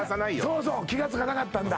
そうそう気がつかなかったんだ